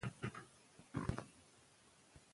کله چې ماشوم واورېدل شي، ستونزې حل کېږي.